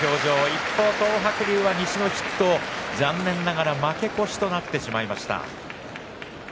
一方の東白龍は西の筆頭残念ながら負け越しとなってしまいました。